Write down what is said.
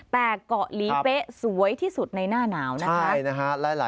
แต่เกาะหลีเป๊ะสวยที่สุดในหน้าหนาวนะคะ